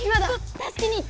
たすけに行って！